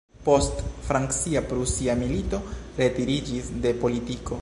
Post Francia-Prusia Milito retiriĝis de politiko.